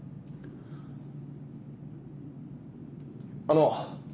あの。